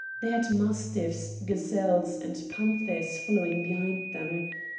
They had mastiffs, gazelles, and panthers following behind them.